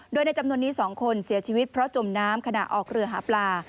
โดยในจำนวนนี้๒คนเสียชีวิตเพราะจมน้ำขณะออกเรือหาปลา